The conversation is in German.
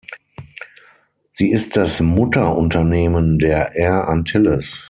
Sie ist das Mutterunternehmen der Air Antilles.